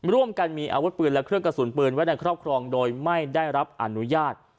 ร่วมกันมีอาวุธปืนและเครื่องกระสุนปืนไว้ในครอบครองโดยไม่ได้รับอนุญาต